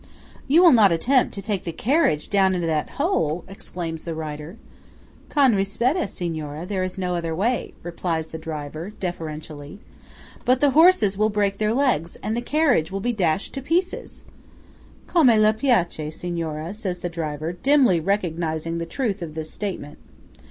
"You will not attempt to take the carriage down into that hole!" exclaims the writer. "Con rispetta, Signora, there is no other way," replies the driver, deferentially. "But the horses will break their legs, and the carriage will be dashed to pieces!" "Come lei piace, Signora," says the driver, dimly recognising the truth of this statement.